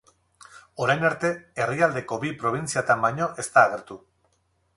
Orain arte, herrialdeko bi probintziatan baino ez da agertu.